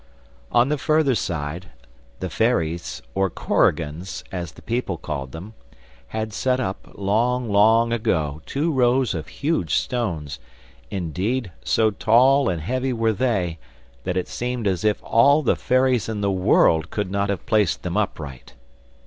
On the further side, the fairies, or korigans, as the people called them, had set up long long ago two rows of huge stones; indeed, so tall and heavy were they, that it seemed as if all the fairies in the world could not have placed them upright.